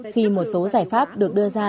khi một số giải pháp được đưa ra